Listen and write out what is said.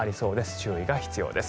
注意が必要です。